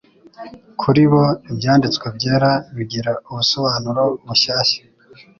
Kuri bo Ibyanditswe byera bigira ubusobanuro bushyashya.